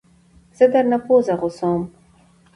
زه درنه پوزه غوڅوم